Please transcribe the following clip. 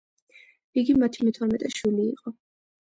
იგი მათი მეთორმეტე შვილი იყო.